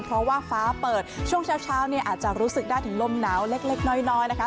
เพราะว่าฟ้าเปิดช่วงเช้าเนี่ยอาจจะรู้สึกได้ถึงลมหนาวเล็กน้อยนะคะ